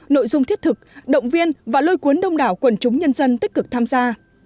nội dung thiết thực động viên và lôi cuốn đông đảo quần chúng nhân dân tích cực tham gia